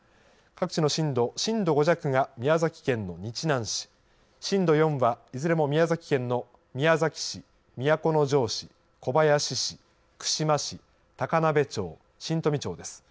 各地の震度、震度５弱が宮崎県の日南市、震度４はいずれも宮崎県の宮崎市、都城市、小林市、串間市、高鍋町、新富町です。